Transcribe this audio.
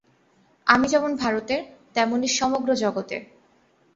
আমি যেমন ভারতের, তেমনি সমগ্র জগতের।